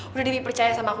udah b percaya sama aku